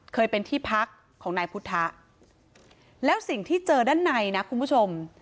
เคยเป็นที่พักของนายพุทธะแล้วสิ่งที่เจอด้านในนะคุณผู้ชม